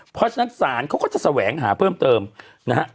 เพราะฉะนั้นศาลเขาก็จะแสวงหาเพิ่มเติมนะฮะ